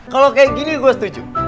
kalau kayak gini gue setuju